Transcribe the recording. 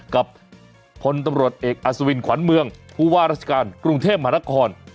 กับพลตำรวจเอกอัศวินขวัญเมืองผู้ว่าราชการกรุงเทพมหานคร